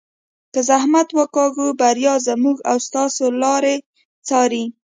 که زحمت وکاږو بریا زموږ او ستاسو لار څاري.